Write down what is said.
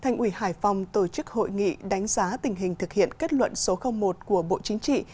thành ủy hải phòng tổ chức hội nghị đánh giá tình hình thực hiện kết luận số một của bộ chính trị